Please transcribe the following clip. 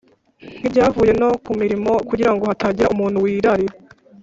ntibyavuye no ku mirimo kugira ngo hatagira umuntu wirarira